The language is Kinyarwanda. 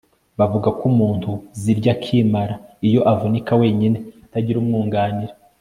bavuga ko umuntu yirya akimara iyo avunika wenyine atagira umwunganira